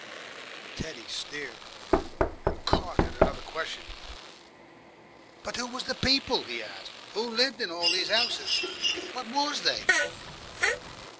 Teddy stared and caught at another question. "But who was the people," he asked, "who lived in all these 'ouses? What was they?"